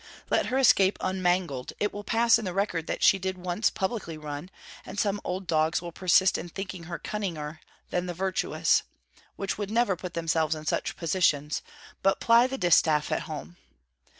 Let her escape unmangled, it will pass in the record that she did once publicly run, and some old dogs will persist in thinking her cunninger than the virtuous, which never put themselves in such positions, but ply the distaff at home.